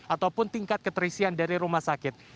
ataupun tingkat keterisian dari rumah sakit